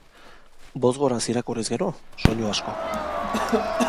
Bozgoraz irakurriz gero, soinu asko.